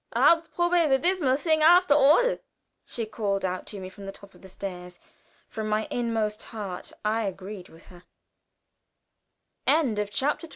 "A haupt probe is a dismal thing after all," she called out to me from the top of the stairs. From my inmost heart I agreed with her.